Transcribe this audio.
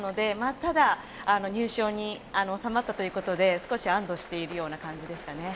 ただ入賞に収まったということで安堵している感じでしょうね。